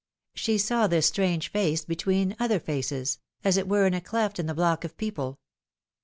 She saw this strange face between other faces as it were in a cleft in the block of people.